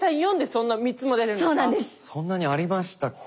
そんなにありましたっけ？